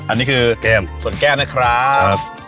อันนี้คือเกมสวนแก้วนะครับ